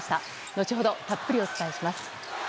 後ほど、たっぷりお伝えします。